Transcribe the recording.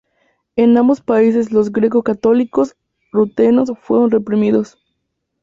En ambos países los greco-católicos rutenos fueron reprimidos.